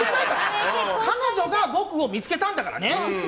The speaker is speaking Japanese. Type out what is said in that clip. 彼女が僕を見つけたんだからね！